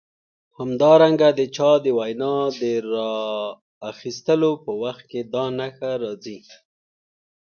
همدارنګه د چا د وینا د راخیستلو په وخت کې دا نښه راځي.